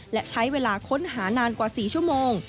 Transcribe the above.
และใช้เวลาค้นหานานกว่า๔ชั่วโมง